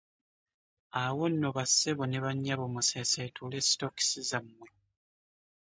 Awo nno bassebo ne bannyabo museeseetule sitookisi zammwe.